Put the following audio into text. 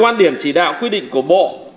quan điểm chỉ đạo quy định của bộ